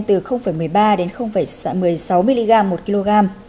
từ một mươi ba đến một mươi sáu mg một kg